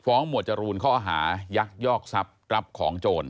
หมวดจรูนข้อหายักยอกทรัพย์รับของโจร